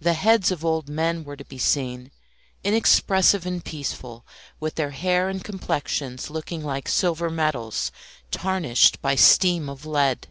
The heads of old men were to be seen, inexpressive and peaceful, with their hair and complexions looking like silver medals tarnished by steam of lead.